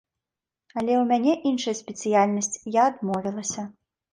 Але ў мяне іншая спецыяльнасць, я адмовілася.